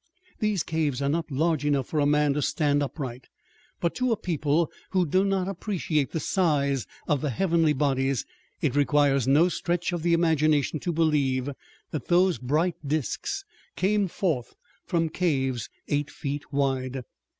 These caves are not large enough for a man to stand upright, but to a people who do not appreciate the size of the heavenly bodies it requires no stretch of the imagination to believe that those bright disks came forth from caves eight feet wide.